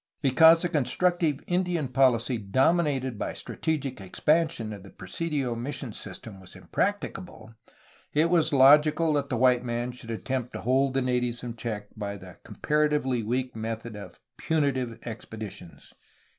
Because a constructive Indian policy dominated by strategic expansion of the presidio mission system was imprac ticable, it was logical that the white man should attempt to hold the natives in check by the comparatively weak method of puni tive expeditions."